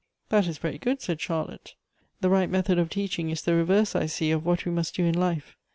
"That is very good," said Charlotte. "The right method of teaching is the reverse, I see, of what we must do in life.